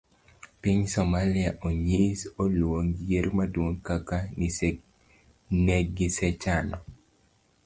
Piny somalia onyis oluong yiero maduong' kaka negisechano.